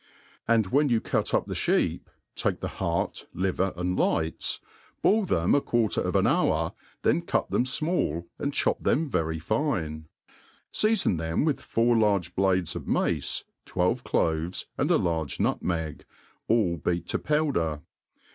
And wheft you cut up the (heep, take the heart, liver, and lights, boil them a quarter of an hour, then cut them fmall, and chop them very fine ; feafon them with four large blades of mace, twelve cloves, and a large nutineg, all beat to powder.